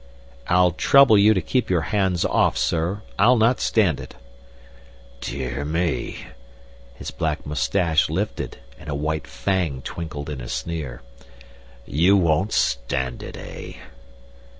"I'll trouble you to keep your hands off, sir. I'll not stand it." "Dear me!" His black moustache lifted and a white fang twinkled in a sneer. "You won't stand it, eh?"